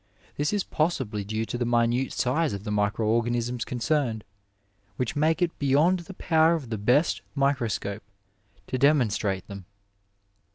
This is possibly due to the minute size of the micro organisms concerned, which make it beyond the power of the best microscope to demonstrate them.